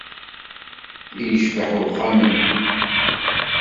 I yecbeḥ uxxam-nni!